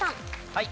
はい。